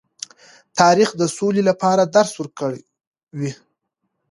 تاریخ د سولې لپاره درس ورکوي.